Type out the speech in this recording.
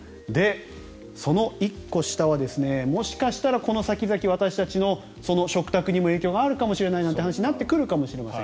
その１個下はもしかしたらこの先々私たちの食卓にも影響があるなんて話にもなってくるかもしれません。